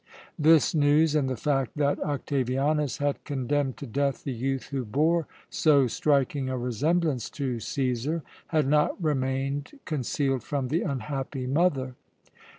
This news, and the fact that Octavianus had condemned to death the youth who bore so striking a resemblance to Cæsar, had not remained concealed from the unhappy mother.